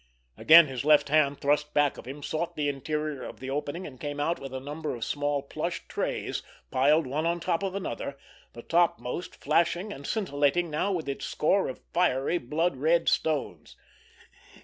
Again his left hand, thrust back of him, sought the interior of the opening, and came out with a number of small plush trays piled one on top of another, the topmost flashing and scintillating now with its score of fiery, blood red stones.